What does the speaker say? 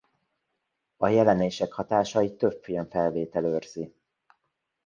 A jelenések hatásait több filmfelvétel őrzi.